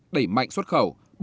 ba đẩy mạnh xuất khẩu